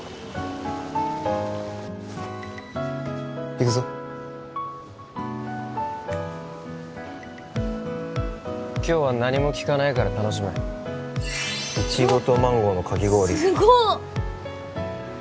行くぞ今日は何も聞かないから楽しめイチゴとマンゴーのかき氷わっすごっ